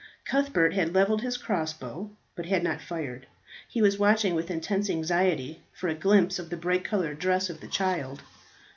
Cuthbert had levelled his crossbow, but had not fired; he was watching with intense anxiety for a glimpse of the bright coloured dress of the child.